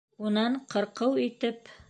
Унан, ҡырҡыу итеп: